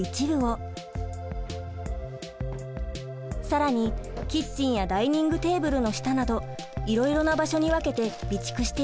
更にキッチンやダイニングテーブルの下などいろいろな場所に分けて備蓄しています。